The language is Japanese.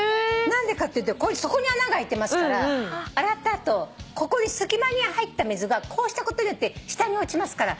何でかっていうと底に穴があいてますから洗った後隙間に入った水がこうしたことによって下に落ちますから。